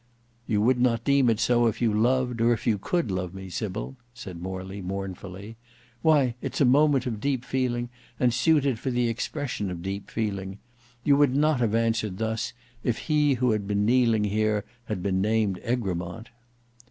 "You would not deem it so if you loved, or if you could love me, Sybil," said Morley, mournfully. "Why it's a moment of deep feeling, and suited for the expression of deep feeling. You would not have answered thus, if he who had been kneeling here had been named Egremont."